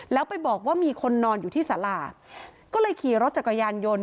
แล้วไปบอกว่ามีคนนอนอยู่ที่สาราก็เลยขี่รถจักรยานยนต์